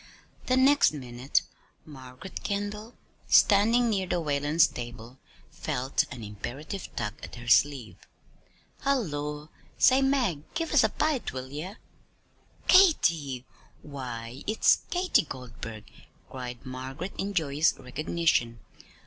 The next minute, Margaret Kendall, standing near the Whalens' table, felt an imperative tug at her sleeve. "Hullo! Say, Mag, give us a bite; will ye?" "Katy! Why, it's Katy Goldburg," cried Margaret in joyous recognition.